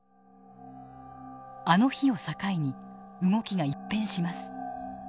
あの日を境に動きが一変します。